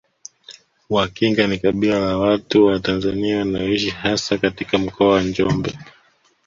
Wakinga ni kabila la watu wa Tanzania wanaoishi hasa katika Mkoa wa Njombe